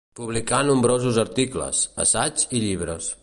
Publicà nombrosos articles, assaigs i llibres.